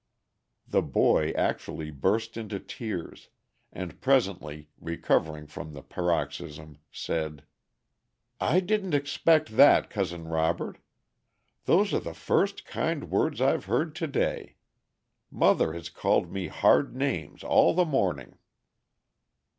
The boy actually burst into tears, and presently, recovering from the paroxysm, said: "I didn't expect that, Cousin Robert. Those are the first kind words I've heard to day. Mother has called me hard names all the morning."